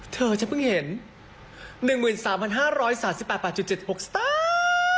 เธอฉันเพิ่งเห็น๑๓๕๓๘๘๗๖สตาร์